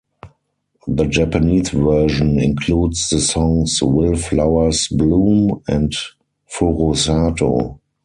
The Japanese version includes the songs "Will Flowers Bloom" and "Furusato".